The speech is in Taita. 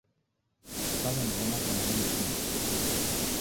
Kwaw'eniw'ona saa mwana mtini.